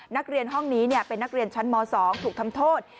นักเรียนห้องนี้เป็นนักเรียนชั้นม๒ถูกทำโทษ